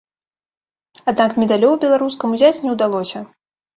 Аднак медалёў беларускам узяць не ўдалося.